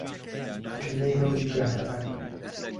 گرمەی هەوری بەهاران